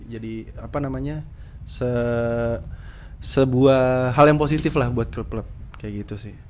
jadi apa namanya sebuah hal yang positif lah buat klub klub kayak gitu sih